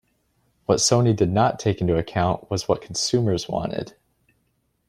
What Sony did not take into account was what consumers wanted.